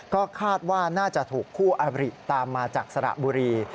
ก็คาดว่าน่าจะถูกคู่อบริตามมาจากสระบุรี